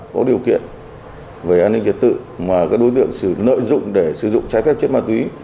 có điều kiện về an ninh trật tự mà các đối tượng sử lợi dụng để sử dụng trái phép chất ma túy